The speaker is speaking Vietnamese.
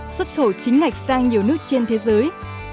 xuất khẩu chính ngạch sang nhiều nước trên thế giới